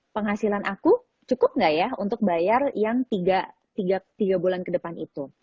penghasilan aku cukup nggak ya untuk bayar yang tiga bulan ke depan itu